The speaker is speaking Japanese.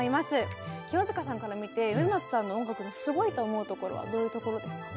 清塚さんから見て植松さんの音楽のすごいと思うところはどういうところですか？